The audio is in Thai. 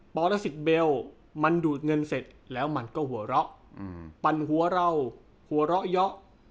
ปรสิกเบลมันดูดเงินเสร็จแล้วมันก็หัวเราะปั่นหัวเราหัวเราะเยาะ